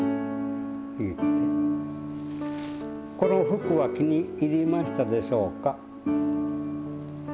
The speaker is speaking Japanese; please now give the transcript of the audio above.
この服は気に入りましたでしょうか？